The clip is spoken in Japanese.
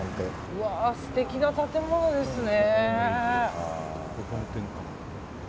うわ、素敵な建物ですね。